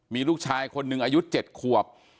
มีลูกชายคนหนึ่งอายุ๗ขวบ